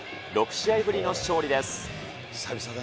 ６試合ぶりの勝利です。